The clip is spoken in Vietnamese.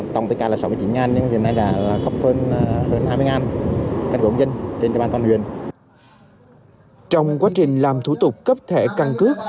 trong quá trình làm thủ tục cấp thể căn cứ